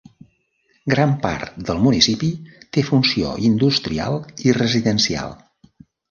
Gran part del municipi té funció industrial i residencial.